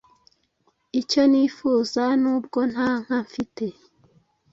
icyo nifuza nubwo nta nka mfite,